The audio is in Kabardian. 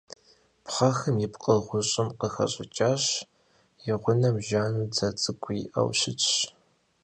Пхъэхым и пкъыр гъущӏым къыхэщӏыкӏащ, и гъунэм жану дзэ цӏыкӏу иӏэу щытщ.